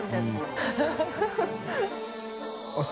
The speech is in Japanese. ハハハ